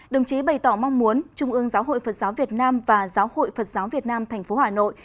đồng chí bày tỏ mong muốn trung ương giáo hội phật giáo việt nam và giáo hội phật giáo việt nam tp hà nội